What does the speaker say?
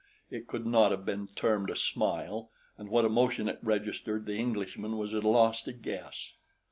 It could not have been termed a smile, and what emotion it registered the Englishman was at a loss to guess.